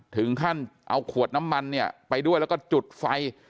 ถึงขั้นเอาขวดน้ำมันเนี่ยไปด้วยแล้วก็จุดไฟ